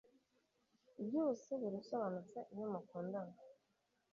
byose birasobanutse iyo mukundana